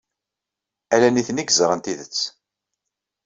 Ala nitni ay yeẓran tidet.